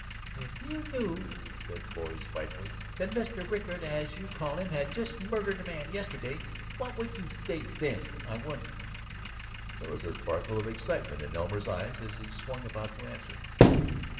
"If you knew," said Florrie spitefully, "that Mr. Rickard as you call him had just murdered a man yesterday, what would you say then, I wonder?" There was a sparkle of excitement in Elmer's eyes as he swung about to answer.